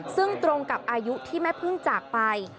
ซึ่งตรงกับอายุที่แม่พึ่งจากไป